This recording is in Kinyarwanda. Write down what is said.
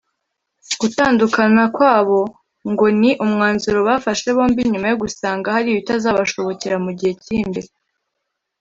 Gutandukana kwabo ngo ni umwanzuro bafashe bombi nyuma yo gusanga hari ibitazabashobokera mu gihe kiri imbere